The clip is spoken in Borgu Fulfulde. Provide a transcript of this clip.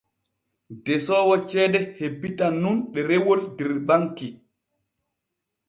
Desoowo ceede hebbitan nun ɗerewol der banki.